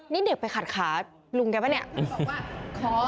นี่เด็กไปขัดขาลุงแกปะเนี่ย